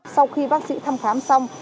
sau khi bác sĩ thăm khám xong